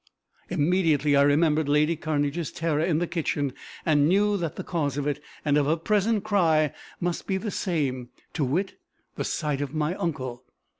Immediately I remembered lady Cairnedge's terror in the kitchen, and knew that the cause of it, and of her present cry, must be the same, to wit, the sight of my uncle.